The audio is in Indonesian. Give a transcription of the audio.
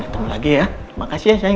kita ketemu lagi ya terima kasih sayang